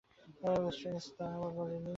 Waitress যে তাও তো বলোনি!